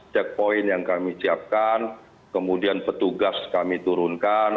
checkpoint yang kami siapkan kemudian petugas kami turunkan